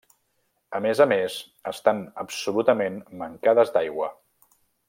A més a més estan absolutament mancades d'aigua.